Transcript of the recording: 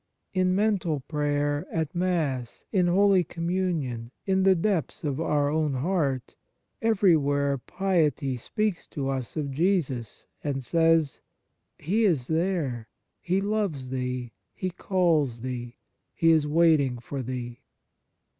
In mental prayer, at Holy Mass, in Holy Communion, in the depths of our own heart, everywhere piety speaks to us of Jesus, and says :" He is there ; He loves thee; He calls thee; He is waiting for thee."